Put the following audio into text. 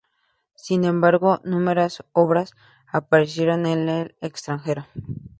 Sin embargo, numerosas obras aparecieron en el extranjero.